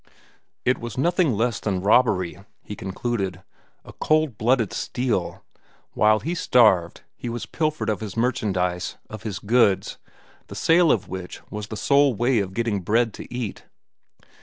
It was nothing less than robbery, he concluded—a cold blooded steal; while he starved, he was pilfered of his merchandise, of his goods, the sale of which was the sole way of getting bread to eat.